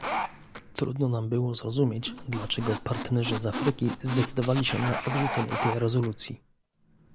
Trudno nam było zrozumieć, dlaczego partnerzy z Afryki zdecydowali się na odrzucenie tej rezolucji